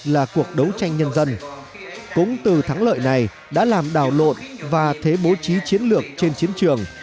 là cuộc đấu tranh nhân dân cũng từ thắng lợi này đã làm đảo lộn và thế bố trí chiến lược trên chiến trường